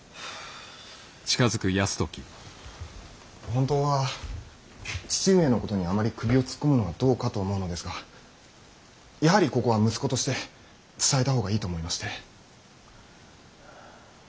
本当は父上のことにあまり首を突っ込むのもどうかと思うのですがやはりここは息子として伝えた方がいいと思いまして。